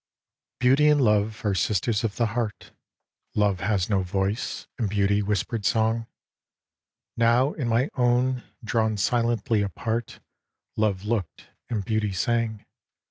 Beauty and Love are sisters of the heart, 142 A DREAM OF ARTEMIS Love has no voice, and Beauty whispered song. Now in my own, drawn silently apart Love looked, and Beauty *sang.